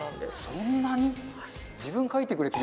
そんなに？